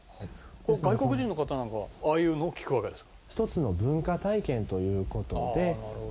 外国人の方なんかはああいうのを聞くわけですか？